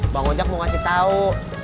bang ojek mau kasih tau